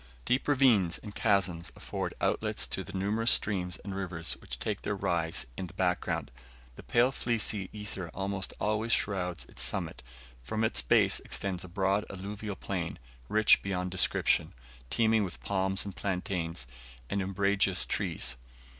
Deep ravines and chasms afford outlets to the numerous streams and rivers which take their rise in the background; the pale fleecy ether almost always shrouds its summit. From its base extends a broad alluvial plain, rich beyond description, teeming with palms and plantains, and umbrageous trees.